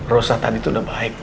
rosa tadi itu udah baik